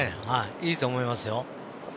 いいと思いますよ。